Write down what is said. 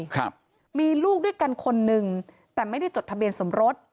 ครับมีลูกด้วยกันคนนึงแต่ไม่ได้จดทะเบียนสมรส